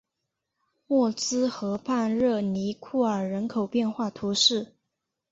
默兹河畔热尼库尔人口变化图示